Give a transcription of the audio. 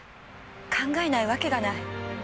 考えないわけがない。